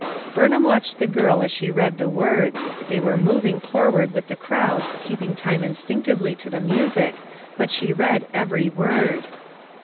Burnliam watched the girl as she read the words; they were moving forward with the crowds keeping time instinctively to the music, but she read every word.